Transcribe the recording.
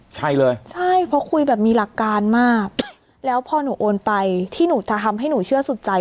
ใช่เลยใช่เพราะคุยแบบมีหลักการมากแล้วพอหนูโอนไปที่หนูจะทำให้หนูเชื่อสุดใจ